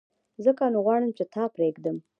ځکه نو غواړم چي تا پرېږدم !